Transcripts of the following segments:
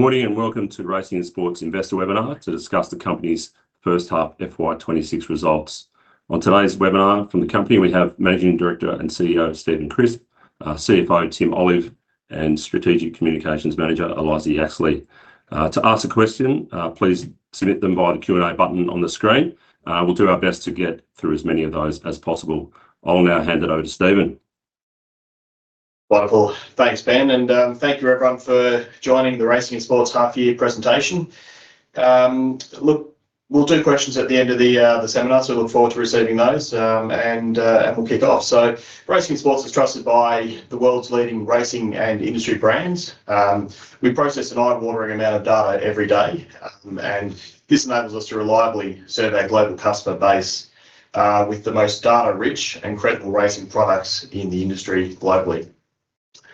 Good morning. Welcome to Racing and Sports Investor Webinar to discuss the company's first half FY 2026 results. On today's webinar from the company, we have Managing Director and CEO, Stephen Crispe, CFO, Tim Olive, and Strategic Communications Manager, Eliza Yaxley. To ask a question, please submit them via the Q&A button on the screen. We'll do our best to get through as many of those as possible. I'll now hand it over to Stephen. Wonderful. Thanks, Ben, thank you everyone for joining the Racing and Sports half year presentation. Look, we'll do questions at the end of the seminar, so look forward to receiving those, we'll kick off. Racing and Sports is trusted by the world's leading racing and industry brands. We process an eye-watering amount of data every day, this enables us to reliably serve our global customer base with the most data-rich and credible racing products in the industry globally.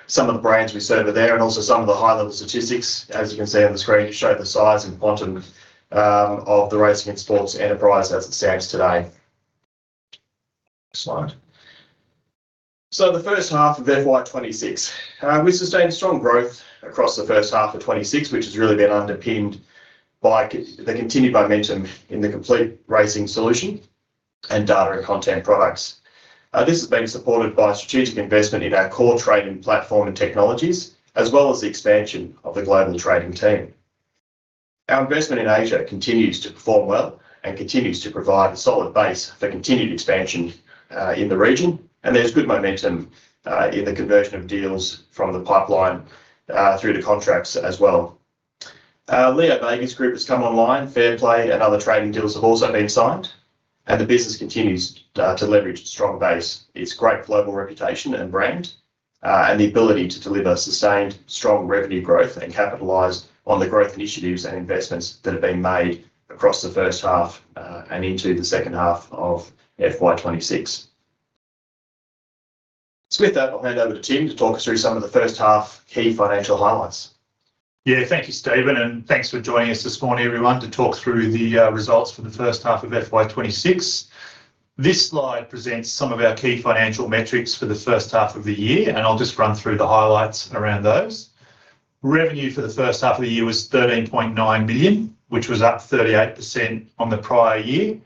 Some of the brands we serve are there, and also some of the high-level statistics, as you can see on the screen, show the size and quantum of the Racing and Sports enterprise as it stands today. Next slide. The first half of FY 2026. We sustained strong growth across the first half of 2026, which has really been underpinned by the continued momentum in the complete racing solution and data and content products. This has been supported by strategic investment in our core trading platform and technologies, as well as the expansion of the global trading team. Our investment in Asia continues to perform well and continues to provide a solid base for continued expansion in the region, and there's good momentum in the conversion of deals from the pipeline through to contracts as well. LeoVegas Group has come online, Fairplay and other trading deals have also been signed, and the business continues to leverage a strong base. It's great global reputation and brand, and the ability to deliver sustained strong revenue growth and capitalize on the growth initiatives and investments that have been made across the first half, and into the second half of FY 2026. With that, I'll hand over to Tim to talk us through some of the first half key financial highlights. Thank you, Stephen, thanks for joining us this morning, everyone, to talk through the results for the first half of FY 2026. This slide presents some of our key financial metrics for the first half of the year, and I'll just run through the highlights around those. Revenue for the first half of the year was 13.9 billion, which was up 38% on the prior year.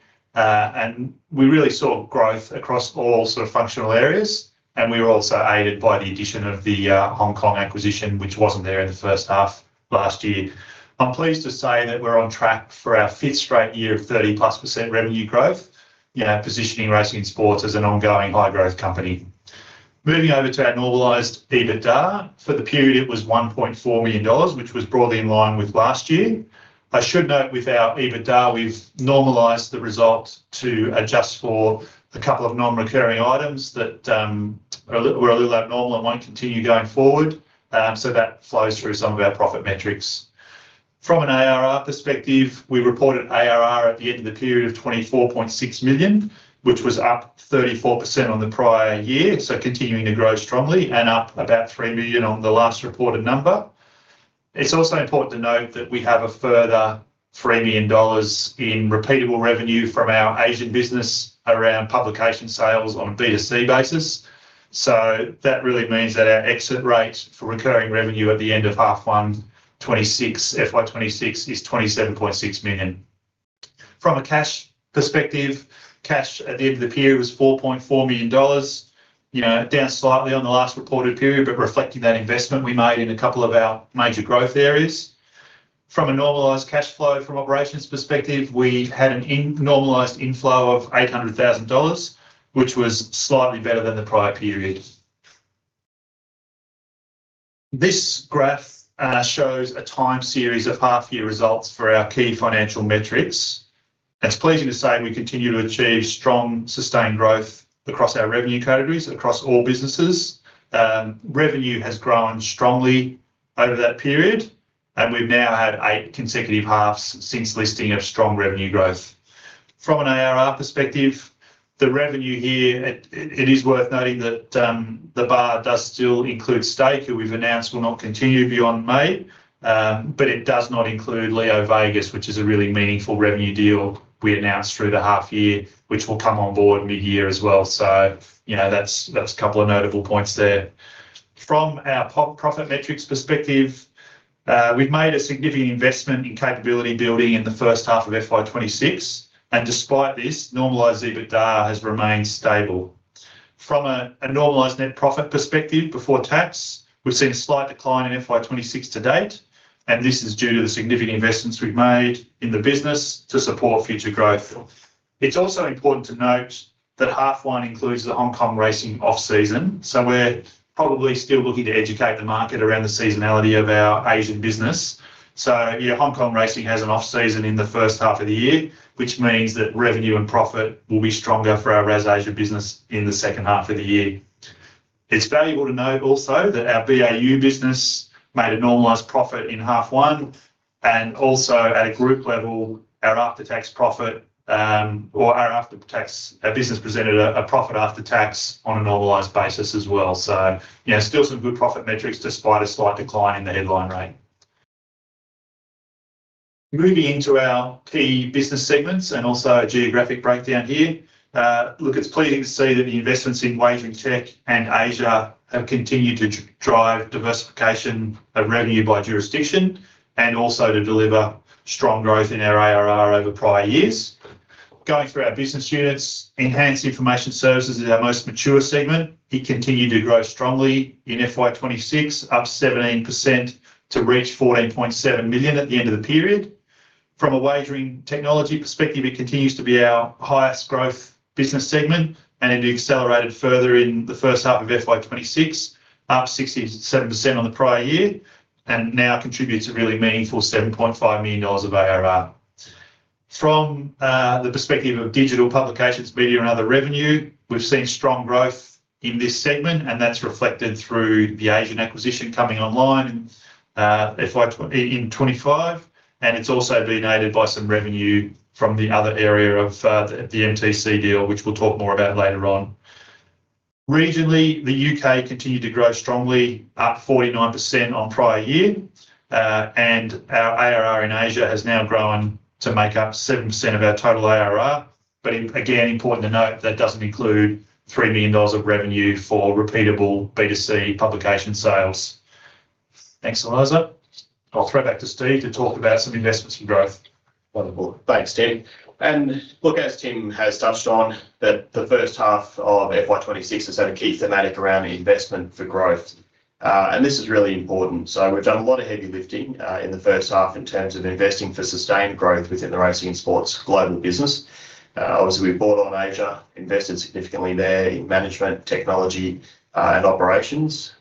We really saw growth across all sort of functional areas, and we were also aided by the addition of the Hong Kong acquisition, which wasn't there in the first half last year. I'm pleased to say that we're on track for our fifth straight year of 30%+ revenue growth, you know, positioning Racing and Sports as an ongoing high-growth company. Moving over to our normalized EBITDA. For the period, it was 1.4 million dollars, which was broadly in line with last year. I should note with our EBITDA, we've normalized the result to adjust for a couple of non-recurring items that were a little abnormal and won't continue going forward. That flows through some of our profit metrics. From an ARR perspective, we reported ARR at the end of the period of 24.6 million, which was up 34% on the prior year. Continuing to grow strongly and up about 3 million on the last reported number. It's also important to note that we have a further 3 million dollars in repeatable revenue from our Asian business around publication sales on a B2C basis. That really means that our exit rate for recurring revenue at the end of H1, FY 2026, is 27.6 million. From a cash perspective, cash at the end of the period was 4.4 million dollars. You know, down slightly on the last reported period, but reflecting that investment we made in a couple of our major growth areas. From a normalized cash flow from operations perspective, we've had a normalized inflow of 800,000 dollars, which was slightly better than the prior period. This graph shows a time series of half-year results for our key financial metrics. It's pleasing to say we continue to achieve strong, sustained growth across our revenue categories, across all businesses. Revenue has grown strongly over that period, and we've now had eight consecutive halves since listing of strong revenue growth. From an ARR perspective, the revenue here, it is worth noting that the bar does still include Stake, who we've announced will not continue beyond May. It does not include LeoVegas, which is a really meaningful revenue deal we announced through the half year, which will come on board mid-year as well. You know, that's a couple of notable points there. From our profit metrics perspective, we've made a significant investment in capability building in the first half of FY 2026, despite this, normalized EBITDA has remained stable. From a normalized net profit perspective before tax, we've seen a slight decline in FY 2026 to date, and this is due to the significant investments we've made in the business to support future growth. It's also important to note that H1 includes the Hong Kong racing off-season, so we're probably still looking to educate the market around the seasonality of our Asian business. You know, Hong Kong racing has an off-season in the first half of the year, which means that revenue and profit will be stronger for our RAS Asia business in the second half of the year. It's valuable to note also that our BAU business made a normalized profit in H1, and also at a group level, our after-tax profit, or our business presented a profit after tax on a normalized basis as well. You know, still some good profit metrics despite a slight decline in the headline rate. Moving into our key business segments and also a geographic breakdown here, look, it's pleasing to see that the investments in Wagering Tech and Asia have continued to drive diversification of revenue by jurisdiction, and also to deliver strong growth in our ARR over prior years. Going through our business units, Enhanced Information Services is our most mature segment. It continued to grow strongly in FY 2026, up 17% to reach 14.7 million at the end of the period. From a wagering technology perspective, it continues to be our highest growth business segment, and it accelerated further in the first half of FY 2026, up 67% on the prior year, and now contributes a really meaningful 7.5 million dollars of ARR. From the perspective of digital publications, media, and other revenue, we've seen strong growth in this segment, and that's reflected through the Asian acquisition coming online in FY 2025, and it's also been aided by some revenue from the other area of the MTC deal, which we'll talk more about later on. Regionally, the U.K. continued to grow strongly, up 49% on prior year, and our ARR in Asia has now grown to make up 7% of our total ARR. Again, important to note, that doesn't include 3 million dollars of revenue for repeatable B2C publication sales. Thanks, Eliza. I'll throw back to Steve to talk about some investments and growth. Wonderful. Thanks, Tim. As Tim has touched on, that the first half of FY 2026 has had a key thematic around investment for growth, and this is really important. We've done a lot of heavy lifting in the first half in terms of investing for sustained growth within the Racing and Sports global business. Obviously, we bought on RAS Asia, invested significantly there in management, technology, and operations.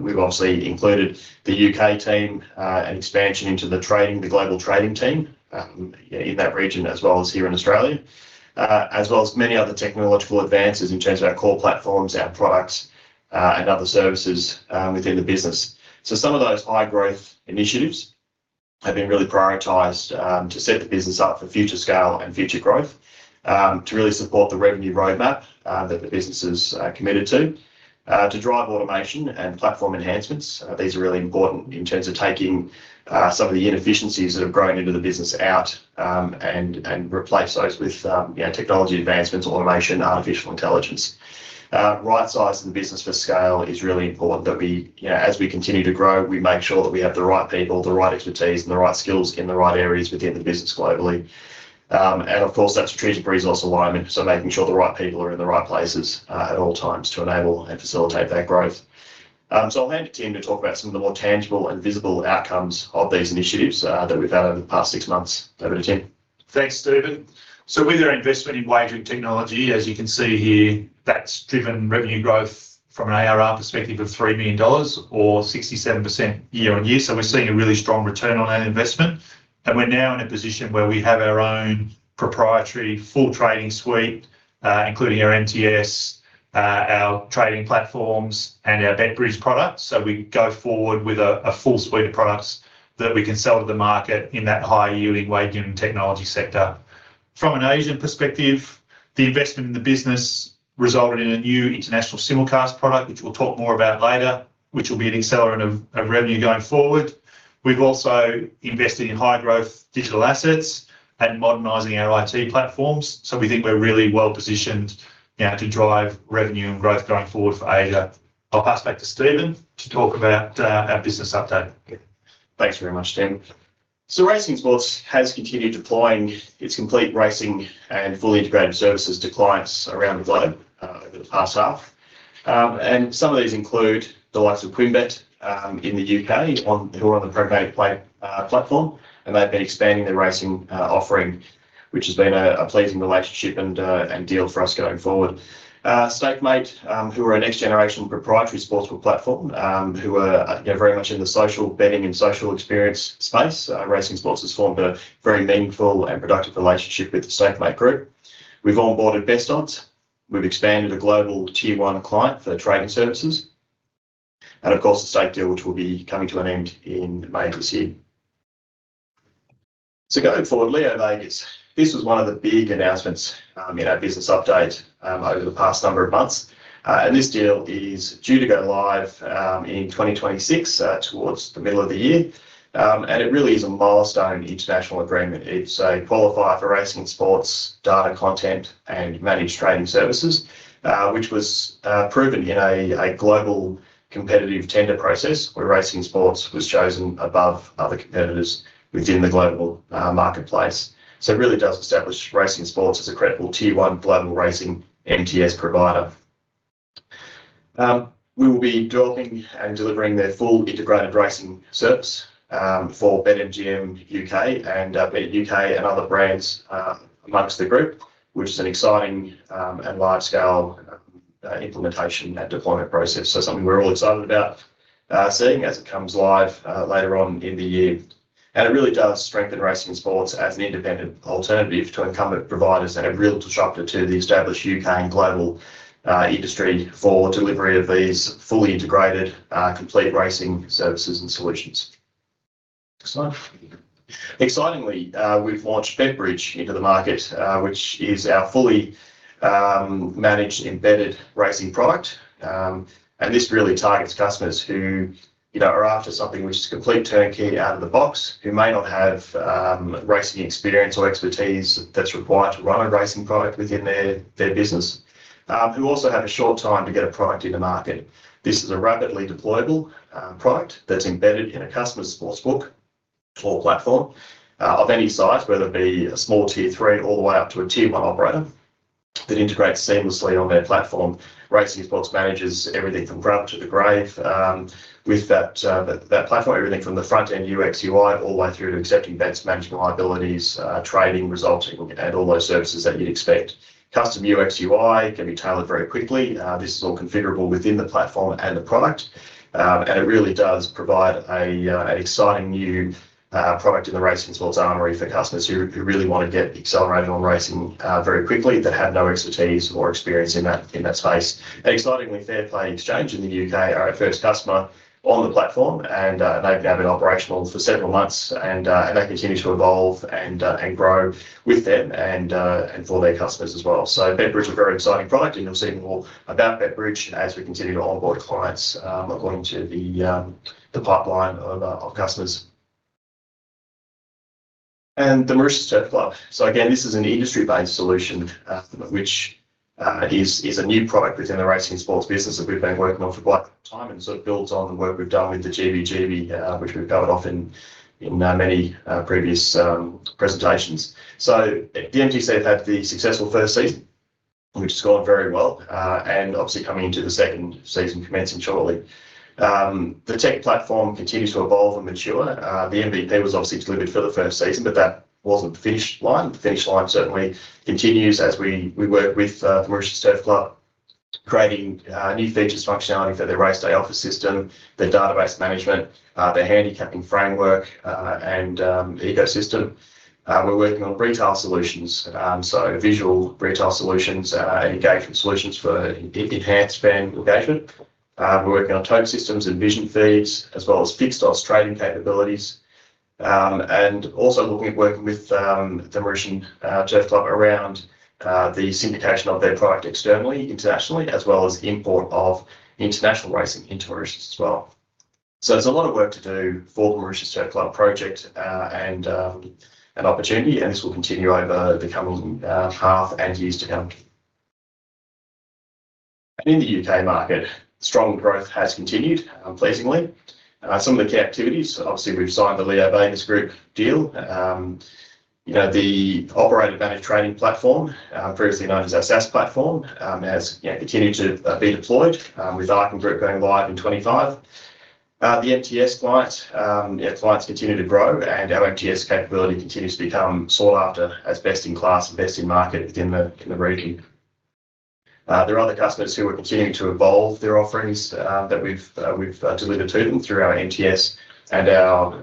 We've obviously included the U.K. team and expansion into the trading, the global trading team, in that region as well as here in Australia. As well as many other technological advances in terms of our core platforms, our products, and other services within the business. Some of those high-growth initiatives have been really prioritized to set the business up for future scale and future growth, to really support the revenue roadmap that the business is committed to. To drive automation and platform enhancements, these are really important in terms of taking some of the inefficiencies that have grown into the business out and replace those with, you know, technology advancements, automation, artificial intelligence. Right-sizing the business for scale is really important, that we, you know, as we continue to grow, we make sure that we have the right people, the right expertise, and the right skills in the right areas within the business globally. Of course, that's treated resource alignment, so making sure the right people are in the right places at all times to enable and facilitate that growth. I'll hand to Tim to talk about some of the more tangible and visible outcomes of these initiatives that we've had over the past six months. Over to you, Tim. Thanks, Stephen. With our investment in Wagering Technology, as you can see here, that's driven revenue growth from an ARR perspective of 3 million dollars or 67% year-on-year. We're seeing a really strong return on that investment, and we're now in a position where we have our own proprietary full trading suite, including our NTS, our trading platforms, and our BetBridge product. We go forward with a full suite of products that we can sell to the market in that high-yielding Wagering Technology sector. From an Asian perspective, the investment in the business resulted in a new international simulcast product, which we'll talk more about later, which will be an accelerant of revenue going forward. We've also invested in high-growth digital assets and modernizing our IT platforms. We think we're really well positioned, yeah, to drive revenue and growth going forward for Asia. I'll pass back to Stephen to talk about our business update. Thanks very much, Tim. Racing and Sports has continued deploying its complete racing and fully integrated services to clients around the globe over the past half. Some of these include the likes of QuinnBet in the U.K., who are on the Playbook Engineering platform, and they've been expanding their racing offering, which has been a pleasing relationship and deal for us going forward. Stakemate, who are a next-generation proprietary sportsbook platform, who are very much in the social betting and social experience space. Racing and Sports has formed a very meaningful and productive relationship with the Stakemate group. We've onboarded Best Odds. We've expanded a global tier one client for trading services, and of course, the Stake deal, which will be coming to an end in May this year. Going forward, LeoVegas. This was one of the big announcements in our business update over the past number of months. This deal is due to go live in 2026 towards the middle of the year. It really is a milestone international agreement. It's a qualifier for Racing and Sports data content and Managed Trading Service, which was proven in a global competitive tender process, where Racing and Sports was chosen above other competitors within the global marketplace. It really does establish Racing and Sports as a credible tier one global racing NTS provider. We will be developing and delivering their full integrated racing service for BetMGM U.K. and BetUK and other brands amongst the group, which is an exciting and wide-scale implementation and deployment process. Something we're all excited about, seeing as it comes live later on in the year. It really does strengthen Racing and Sports as an independent alternative to incumbent providers and a real disrupter to the established U.K. and global industry for delivery of these fully integrated complete racing services and solutions. Excellent. Excitingly, we've launched BetBridge into the market, which is our fully managed embedded racing product. This really targets customers who, you know, are after something which is complete turnkey out of the box, who may not have racing experience or expertise that's required to run a racing product within their business, who also have a short time to get a product in the market. This is a rapidly deployable product that's embedded in a customer's sportsbook or platform of any size, whether it be a small Tier Three all the way up to a Tier One operator that integrates seamlessly on their platform. Racing and Sports manages everything from cradle to the grave, with that platform, everything from the front end, UX/UI, all the way through to accepting bets, managing liabilities, trading, resulting, and all those services that you'd expect. Custom UX/UI can be tailored very quickly, this is all configurable within the platform and the product, and it really does provide an exciting new product in the Racing and Sports armory for customers who really want to get accelerated on racing very quickly, that have no expertise or experience in that, in that space. Excitingly, Fairplay Exchange in the U.K. are our first customer on the platform, and they've now been operational for several months, and they continue to evolve and grow with them and for their customers as well. Betbridge is a very exciting product, and you'll see more about Betbridge as we continue to onboard clients, according to the pipeline of customers. The Mauritius Turf Club. Again, this is an industry-based solution, which is a new product within the Racing and Sports business that we've been working on for quite some time, and sort of builds on the work we've done with the GBGB, which we've covered off in many previous presentations. The MTC have had the successful first season, which has gone very well, and obviously coming into the second season, commencing shortly. The tech platform continues to evolve and mature. The MVP was obviously delivered for the first season, but that wasn't the finish line. The finish line certainly continues as we work with Mauritius Turf Club, creating new features, functionality for their race day office system, their database management, their handicapping framework, and ecosystem. We're working on retail solutions, so visual retail solutions, engagement solutions for e-enhanced fan engagement. We're working on tote systems and vision feeds, as well as fixed odds trading capabilities, and also looking at working with the Mauritian Turf Club around the syndication of their product externally, internationally, as well as import of international racing into Mauritius as well. There's a lot of work to do for the Mauritius Turf Club project, and an opportunity, and this will continue over the coming half and years to come. In the U.K. market, strong growth has continued, pleasingly. Some of the key activities, obviously, we've signed the LeoVegas Group deal. You know, the Operator Managed Trading platform, previously known as our SaaS platform, has, you know, continued to be deployed with Archon Group going live in 2025. The MTS clients, yeah, clients continue to grow, and our MTS capability continues to become sought after as best-in-class and best-in-market within the, within the region. There are other customers who are continuing to evolve their offerings that we've delivered to them through our MTS and our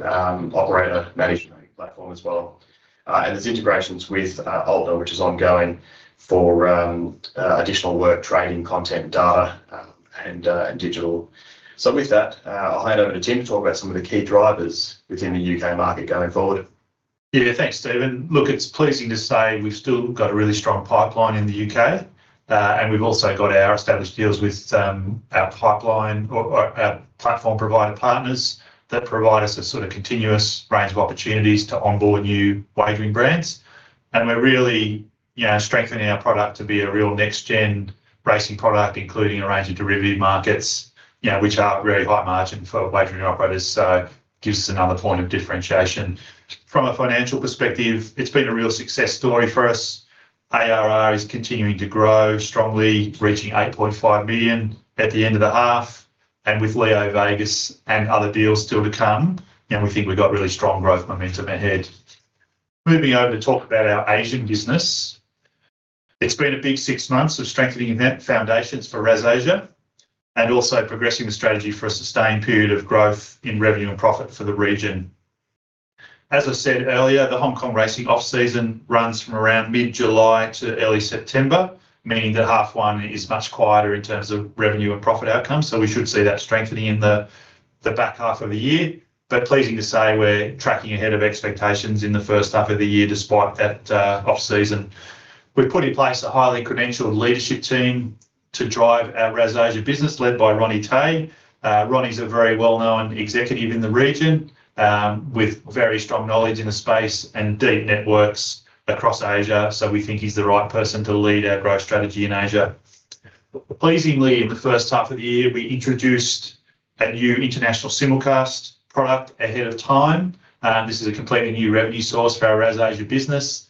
Operator Managed Platform as well. There's integrations with Ulta, which is ongoing for additional work, trading, content, data, and digital. With that, I'll hand over to Tim to talk about some of the key drivers within the U.K. market going forward. Thanks, Stephen. Look, it's pleasing to say we've still got a really strong pipeline in the U.K., we've also got our established deals with our pipeline or our platform provider partners that provide us a sort of continuous range of opportunities to onboard new wagering brands. We're really, yeah, strengthening our product to be a real next-gen racing product, including a range of derivative markets, yeah, which are very high margin for wagering operators. Gives us another point of differentiation. From a financial perspective, it's been a real success story for us. ARR is continuing to grow strongly, reaching 8.5 million at the end of the half. With LeoVegas and other deals still to come, we think we've got really strong growth momentum ahead. Moving over to talk about our Asian business. It's been a big six months of strengthening the net foundations for RAS Asia, and also progressing the strategy for a sustained period of growth in revenue and profit for the region. As I said earlier, the Hong Kong racing off-season runs from around mid-July to early September, meaning that H1 is much quieter in terms of revenue and profit outcome. We should see that strengthening in the back half of the year. Pleasing to say, we're tracking ahead of expectations in the 1st half of the year, despite that off season. We've put in place a highly credentialed leadership team to drive our RAS Asia business, led by Ronnie Tay. Ronnie's a very well-known executive in the region, with very strong knowledge in the space and deep networks across Asia, so we think he's the right person to lead our growth strategy in Asia. Pleasingly, in the first half of the year, we introduced a new international simulcast product ahead of time. This is a completely new revenue source for our RAS Asia business.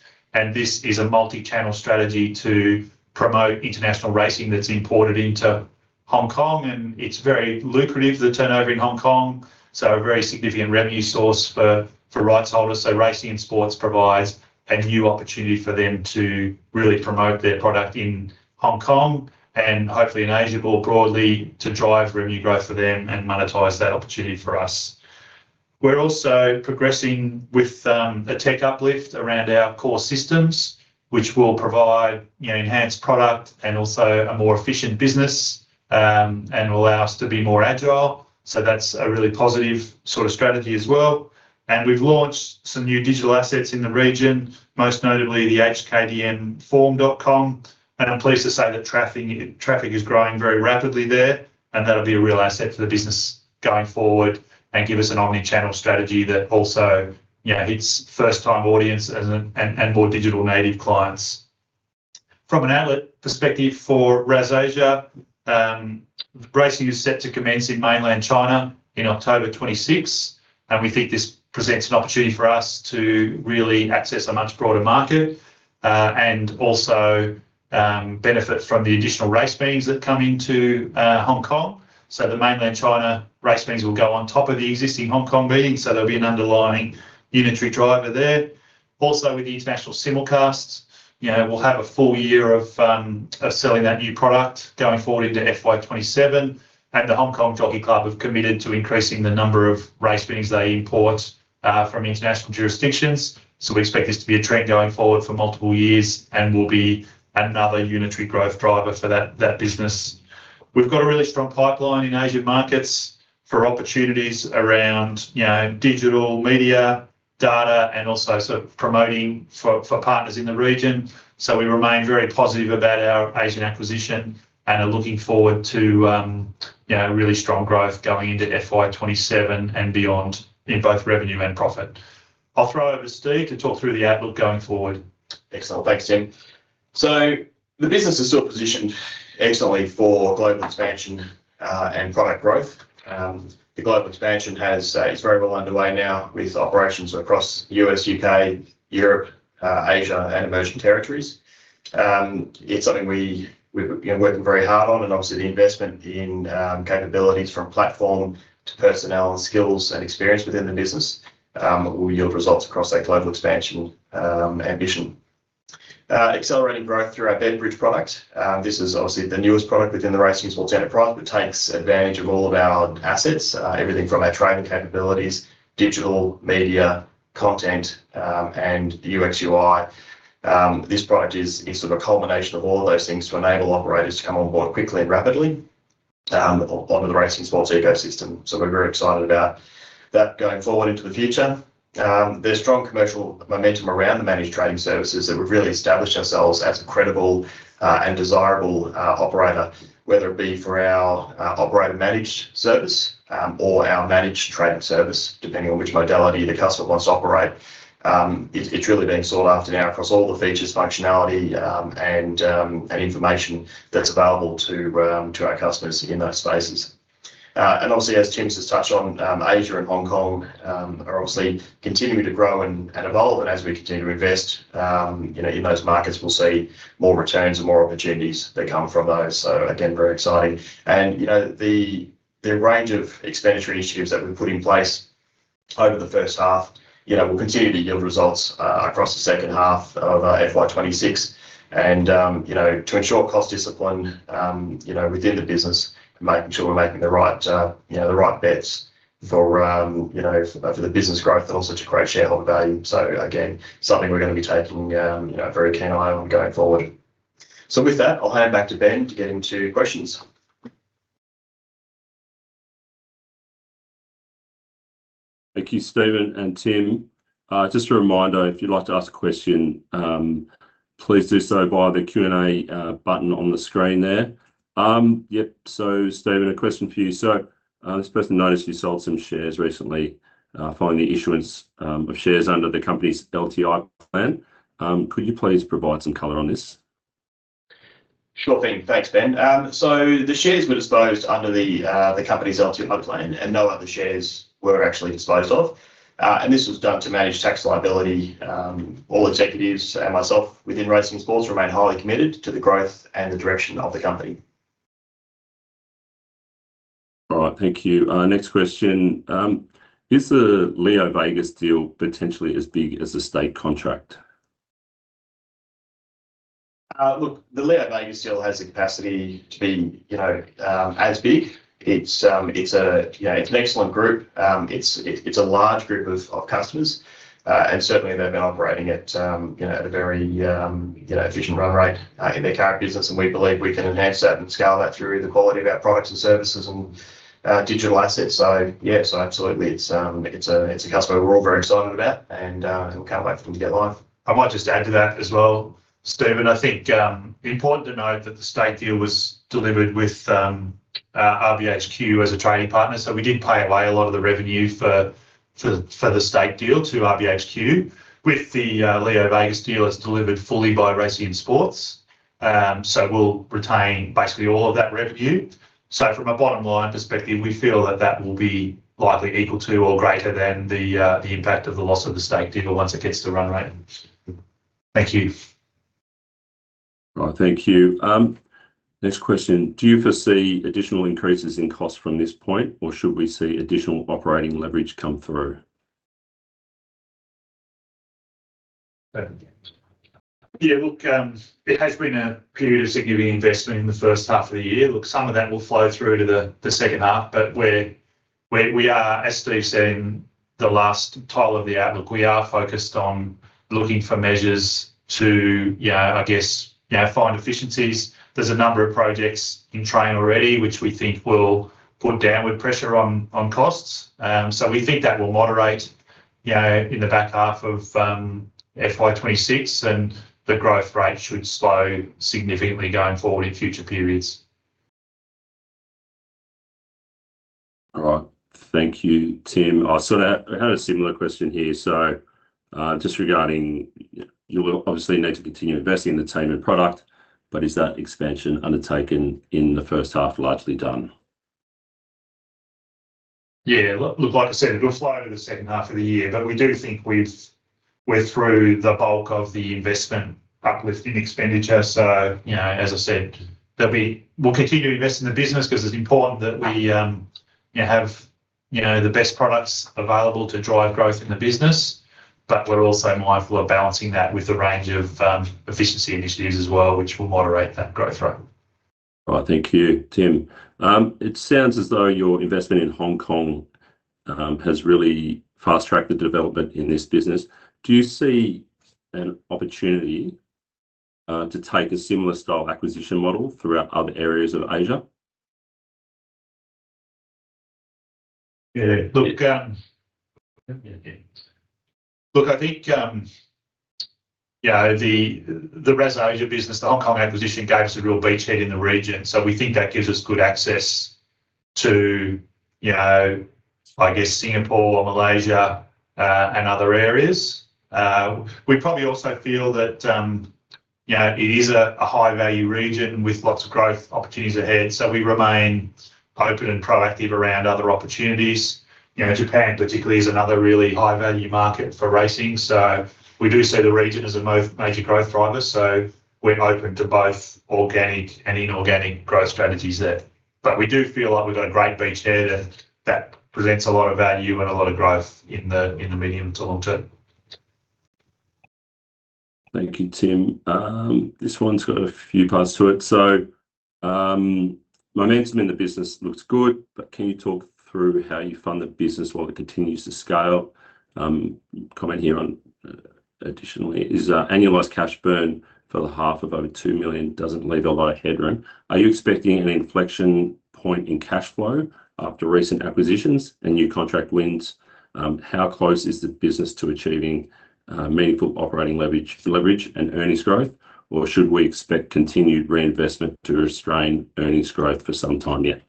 This is a multi-channel strategy to promote international racing that's imported into Hong Kong, and it's very lucrative, the turnover in Hong Kong, so a very significant revenue source for rights holders. Racing and Sports provides a new opportunity for them to really promote their product in Hong Kong and hopefully in Asia, more broadly, to drive revenue growth for them and monetize that opportunity for us. We're also progressing with a tech uplift around our core systems, which will provide, you know, enhanced product and also a more efficient business and allow us to be more agile. That's a really positive sort of strategy as well. We've launched some new digital assets in the region, most notably the hkdnforum.com, and I'm pleased to say that traffic is growing very rapidly there, and that'll be a real asset to the business going forward and give us an omni-channel strategy that also, yeah, hits first-time audience and more digital native clients. From an outlet perspective for RAS Asia, racing is set to commence in mainland China in October 2026. We think this presents an opportunity for us to really access a much broader market, and also benefit from the additional race meetings that come into Hong Kong. The mainland China race meetings will go on top of the existing Hong Kong meetings, so there'll be an underlying unitary driver there. With the international simulcasts, we'll have a full year of selling that new product going forward into FY27. The Hong Kong Jockey Club have committed to increasing the number of race meetings they import from international jurisdictions. We expect this to be a trend going forward for multiple years and will be another unitary growth driver for that business. We've got a really strong pipeline in Asia markets for opportunities around, yeah, digital media, data, and also sort of promoting for partners in the region. We remain very positive about our Asian acquisition and are looking forward to a really strong growth going into FY 2027 and beyond in both revenue and profit. I'll throw over to Steve to talk through the outlook going forward. Excellent. Thanks, Tim. The business is still positioned excellently for global expansion and product growth. The global expansion is very well underway now with operations across U.S., U.K., Europe, Asia, and emerging territories. It's something we're, you know, working very hard on, and obviously, the investment in capabilities from platform to personnel, skills, and experience within the business will yield results across our global expansion ambition. Accelerating growth through our BetBridge product. This is obviously the newest product within the Racing and Sports enterprise, but takes advantage of all of our assets, everything from our trading capabilities, digital media content, and UX/UI. This product is sort of a culmination of all of those things to enable operators to come on board quickly and rapidly onto the Racing and Sports ecosystem. We're very excited about that going forward into the future. There's strong commercial momentum around the Managed Trading Service that we've really established ourselves as a credible and desirable operator, whether it be for our operator-managed service or our Managed Trading Service, depending on which modality the customer wants to operate. It's really being sought after now across all the features, functionality, and information that's available to our customers in those spaces. And obviously, as Tim's just touched on, Asia and Hong Kong are obviously continuing to grow and evolve. As we continue to invest, you know, in those markets, we'll see more returns and more opportunities that come from those. Again, very exciting. You know, the range of expenditure initiatives that we've put in place over the first half, you know, will continue to yield results, across the second half of FY 2026. You know, to ensure cost discipline, you know, within the business, making sure we're making the right, you know, the right bets for, you know, for the business growth and also to create shareholder value. Again, something we're gonna be taking, you know, a very keen eye on going forward. With that, I'll hand back to Ben to get into questions. Thank you, Stephen and Tim. Just a reminder, if you'd like to ask a question, please do so via the Q&A button on the screen there. Stephen, a question for you. This person noticed you sold some shares recently, following the issuance of shares under the company's LTI plan. Could you please provide some color on this? Sure thing. Thanks, Ben. The shares were disposed under the company's LTI plan, and no other shares were actually disposed of. This was done to manage tax liability. All executives and myself within Racing and Sports remain highly committed to the growth and the direction of the company. All right. Thank you. Next question. Is the LeoVegas deal potentially as big as the Stake contract? Look, the LeoVegas deal has the capacity to be, you know, as big. It's a, you know, it's an excellent group. It's a large group of customers, and certainly they've been operating at, you know, at a very, you know, efficient run rate in their current business, and we believe we can enhance that and scale that through the quality of our products and services and digital assets. Yeah, absolutely, it's a customer we're all very excited about, and we can't wait for them to get live. I might just add to that as well, Stephen. I think important to note that the Stake deal was delivered with Racebook HQ as a trading partner, we did pay away a lot of the revenue for the Stake deal to Racebook HQ. With the LeoVegas deal, it's delivered fully by Racing and Sports, we'll retain basically all of that revenue. From a bottom line perspective, we feel that that will be likely equal to or greater than the impact of the loss of the Stake deal once it gets to run rate. Thank you. Right. Thank you. Next question: Do you foresee additional increases in cost from this point, or should we see additional operating leverage come through? It has been a period of significant investment in the first half of the year. Some of that will flow through to the second half. We are, as Steve said, in the last tile of the outlook, focused on looking for measures to, I guess, find efficiencies. There's a number of projects in train already which we think will put downward pressure on costs. We think that will moderate in the back half of FY26, and the growth rate should slow significantly going forward in future periods. All right. Thank you, Tim. I sort of had a similar question here. You will obviously need to continue investing in the team and product, but is that expansion undertaken in the first half largely done? Look, like I said, it'll slow in the second half of the year, but we do think we're through the bulk of the investment uplift in expenditure. You know, as I said, we'll continue to invest in the business because it's important that we have, you know, the best products available to drive growth in the business. We're also mindful of balancing that with a range of efficiency initiatives as well, which will moderate that growth rate. All right. Thank you, Tim. It sounds as though your investment in Hong Kong has really fast-tracked the development in this business. Do you see an opportunity to take a similar style acquisition model throughout other areas of Asia? Look, I think, you know, the RAS Asia business, the Hong Kong acquisition, gave us a real beachhead in the region. We think that gives us good access to, you know, I guess, Singapore or Malaysia, and other areas. We probably also feel that, you know, it is a high-value region with lots of growth opportunities ahead. We remain open and proactive around other opportunities. You know, Japan particularly is another really high-value market for racing. We do see the region as a major growth driver. We're open to both organic and inorganic growth strategies there. We do feel like we've got a great beachhead, and that presents a lot of value and a lot of growth in the medium to long term. Thank you, Tim. This one's got a few parts to it. Momentum in the business looks good, but can you talk through how you fund the business while it continues to scale? Comment here on additionally, annualized cash burn for the half of over 2 million doesn't leave a lot of headroom. Are you expecting an inflection point in cash flow after recent acquisitions and new contract wins? How close is the business to achieving meaningful operating leverage and earnings growth? Should we expect continued reinvestment to restrain earnings growth for some time yet?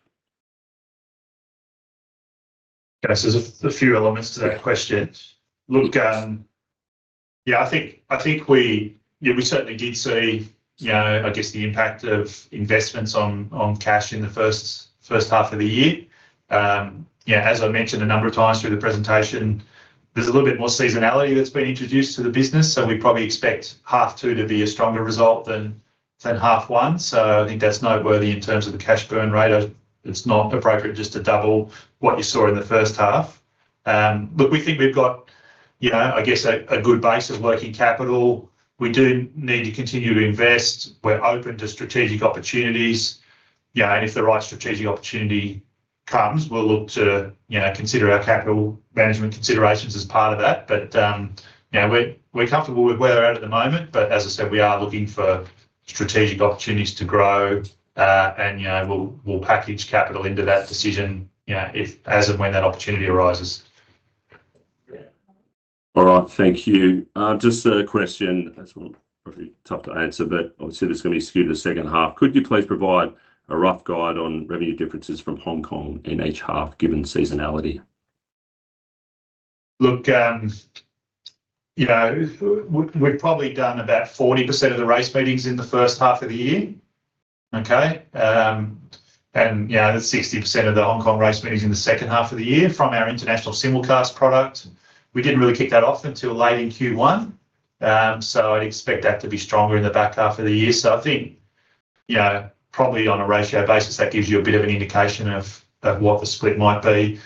Yes, there's a few elements to that question. Look, I think we certainly did see, you know, I guess the impact of investments on cash in the first half of the year. As I mentioned a number of times through the presentation, there's a little bit more seasonality that's been introduced to the business, so we probably expect H2 to be a stronger result than H1. I think that's noteworthy in terms of the cash burn rate. It's not appropriate just to double what you saw in the first half. We think we've got, you know, I guess, a good base of working capital. We do need to continue to invest. We're open to strategic opportunities. Yeah, if the right strategic opportunity comes, we'll look to, you know, consider our capital management considerations as part of that. Yeah, we're comfortable with where we're at at the moment, but as I said, we are looking for strategic opportunities to grow. You know, we'll package capital into that decision, you know, if, as and when that opportunity arises. Yeah. All right. Thank you. Just a question that's probably tough to answer, but obviously, that's going to be skewed in the second half. Could you please provide a rough guide on revenue differences from Hong Kong in each half, given seasonality? Look, you know, we've probably done about 40% of the race meetings in the first half of the year, okay? You know, that's 60% of the Hong Kong race meetings in the second half of the year from our international simulcast product. We didn't really kick that off until late in Q1. I'd expect that to be stronger in the back half of the year. I think, you know, probably on a ratio basis, that gives you a bit of an indication of what the split might be.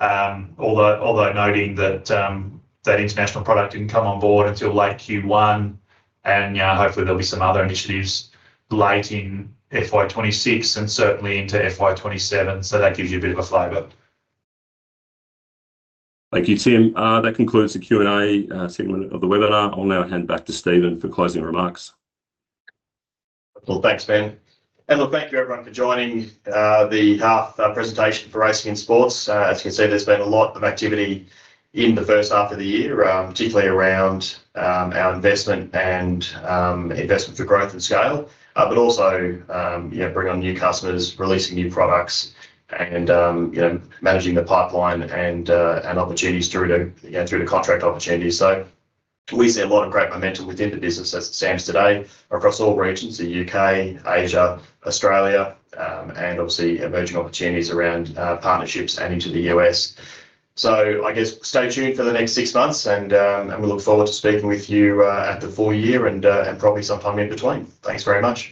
Although noting that international product didn't come on board until late Q1, and, you know, hopefully there'll be some other initiatives late in FY 2026 and certainly into FY 2027. That gives you a bit of a flavor. Thank you, Tim. That concludes the Q&A segment of the webinar. I'll now hand back to Stephen for closing remarks. Well, thanks, Ben. Thank you, everyone, for joining the half presentation for Racing and Sports. As you can see, there's been a lot of activity in the first half of the year, particularly around our investment and investment for growth and scale. But also, yeah, bring on new customers, releasing new products, and, you know, managing the pipeline and opportunities through to, yeah, through to contract opportunities. We see a lot of great momentum within the business as it stands today across all regions, the U.K., Asia, Australia, and obviously emerging opportunities around partnerships and into the U.S. I guess stay tuned for the next six months, and we look forward to speaking with you at the full year and probably sometime in between. Thanks very much.